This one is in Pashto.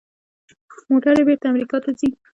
موټرې بیرته امریکا ته ځي.